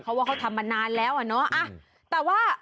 เพราะว่าเขาทำมานานแล้วอะเนาะ